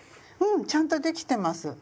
うん！ちゃんとできてます。